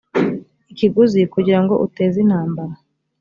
ikiguzi kugira ngo uteze intambara